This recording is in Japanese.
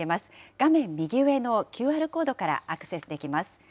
画面右上のＱＲコードからアクセスできます。